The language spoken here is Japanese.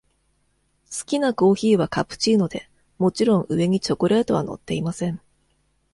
好きなコーヒーはカプチーノで、もちろん上にチョコレートは乗っていません。